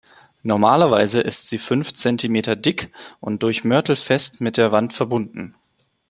Normalerweise ist sie fünf Zentimeter dick und durch Mörtel fest mit der Wand verbunden.